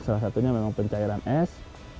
salah satunya memang pencairan es